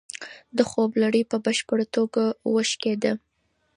د خوب لړۍ په بشپړه توګه وشکېده.